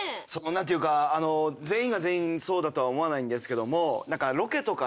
何ていうか全員が全員そうだとは思わないんですけども。